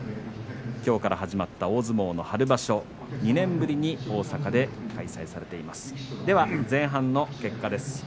きょうから始まった大相撲の春場所２年ぶりに大阪で開催されています。